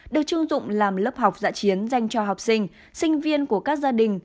được chưng dụng làm lớp học giã chiến dành cho học sinh sinh viên của các gia đình